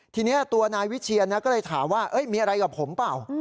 ทีนี้ตัวนายวิเชียนก็เลยถามว่ามีอะไรกับผมเปล่า